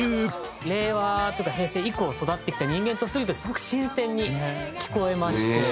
令和というか平成以降育ってきた人間とするとすごく新鮮に聴こえまして。